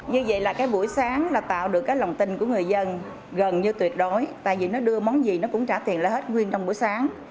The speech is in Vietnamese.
như vậy là cái buổi sáng là tạo được cái lòng tin của người dân gần như tuyệt đối tại vì nó đưa món gì nó cũng trả tiền lại hết nguyên trong buổi sáng